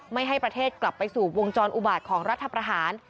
ไม่ให้ประเทศกลับไปสู่วงจรอุบาตของรัฐประหาร